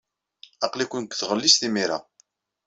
Aql-iken deg tɣellist imir-a.